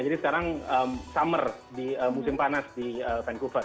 jadi sekarang summer di musim panas di vancouver